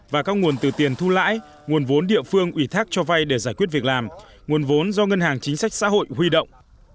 và các nguồn từ tiền thu lãi nguồn vốn địa phương ủy thác cho vay để giải quyết việc làm nguồn vốn do ngân hàng chính sách xã hội huy động